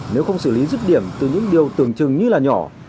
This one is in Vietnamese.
nếu không xử lý rứt điểm từ những điều tưởng chừng như là nhỏ